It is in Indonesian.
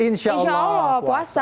insya allah puasa